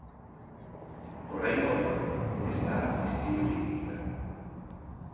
Oraingoz, ez da istilurik izan.